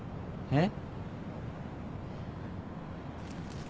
えっ？